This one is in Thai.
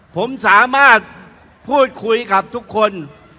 ผมสามารถพูดคุยกับทุกคน